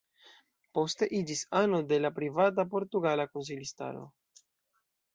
Poste iĝis ano de la Privata Portugala Konsilantaro.